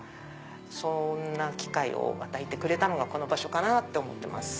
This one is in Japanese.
そんな機会を与えてくれたのがこの場所かなって思ってます。